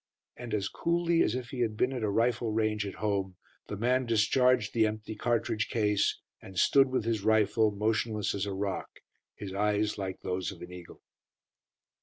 And as coolly as if he had been at a rifle range at home, the man discharged the empty cartridge case and stood with his rifle, motionless as a rock, his eyes like those of an eagle.